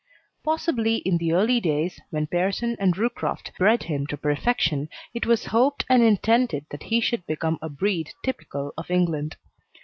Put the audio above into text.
Possibly in the early days when Pearson and Roocroft bred him to perfection it was hoped and intended that he should become a breed typical of England.